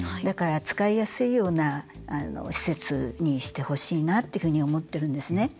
だから、使いやすいような施設にしてほしいなって思ってるんですね。